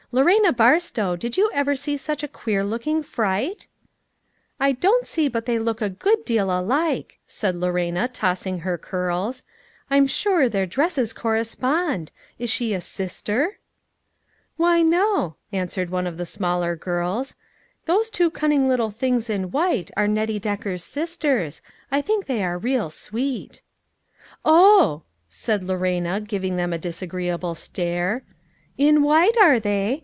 Lorena Barstow, did you ever see such a queer looking fright ?"" I don't see but they look a good deal alike," said Lorena, tossing her curls ;" I'm sure their dresses correspond ; is she a sister ?" "Why, no," answered one of the smaller girls; "those two cunning little things in white are Nettie Decker's sisters ; I think they are real sweet." "Oh! " said Lorena, giving them a disagree able stare, " in white, are they